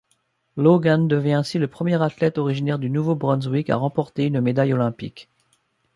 Logan devient ainsi le premier athlète originaire du Nouveau-Brunswick à remporter une médaille olympique.